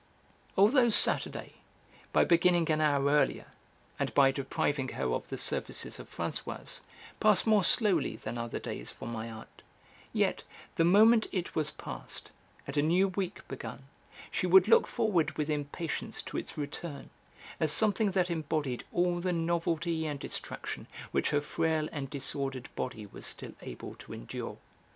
Although Saturday, by beginning an hour earlier, and by depriving her of the services of Françoise, passed more slowly than other days for my aunt, yet, the moment it was past, and a new week begun, she would look forward with impatience to its return, as something that embodied all the novelty and distraction which her frail and disordered body was still able to endure.